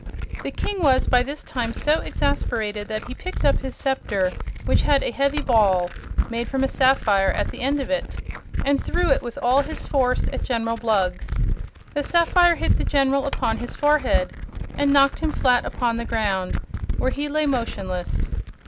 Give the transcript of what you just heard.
The King was by this time so exasperated that he picked up his scepter, which had a heavy ball, made from a sapphire, at the end of it, and threw it with all his force at General Blug. The sapphire hit the General upon his forehead and knocked him flat upon the ground, where he lay motionless.